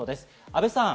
阿部さん。